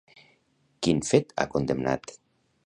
Quin fet ha condemnat?